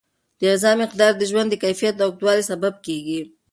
د غذا مقدار د ژوند د کیفیت او اوږدوالي سبب کیږي.